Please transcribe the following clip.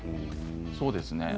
そうですね。